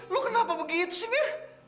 lo kenapa begitu sih mir